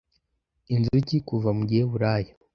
Inzuki - kuva mu giheburayo